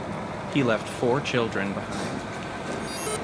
He left four children behind.